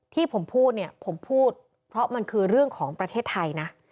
ที่ผมพูดเนี่ยผมพูดเพราะมันคือเรื่องของประเทศไทยนะ